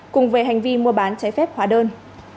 cùng về hành vi mua bán trái phép hóa đơn